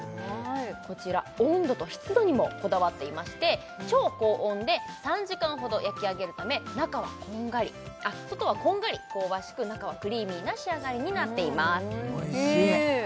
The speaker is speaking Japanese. こちら温度と湿度にもこだわっていまして超高温で３時間ほど焼き上げるため外はこんがり香ばしく中はクリーミーな仕上がりになっていますおいしい！